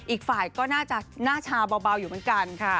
อีกฝ่ายก็น่าชาวเบาอยู่เหมือนกันค่ะ